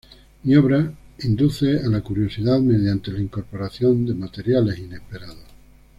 Mi obra induce a la curiosidad mediante la incorporación de materiales inesperados.